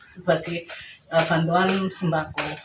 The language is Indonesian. seperti bantuan sembako